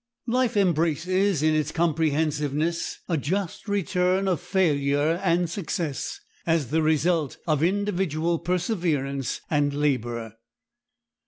Life embraces in its comprehensiveness a just return of failure and success as the result of individual perseverance and labor.